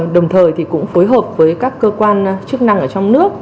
đồng thời thì cũng phối hợp với các cơ quan chức năng ở trong nước